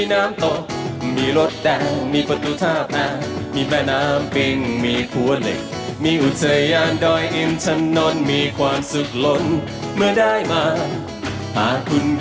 อย่าเปลี่ยนช่องไปไหนพักสักครู่เดี๋ยวกลับมาสนุกกันต่อ